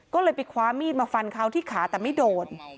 ก็เลยไปคว้ามีดมาฟันเขาที่ขาแต่ไม่โดน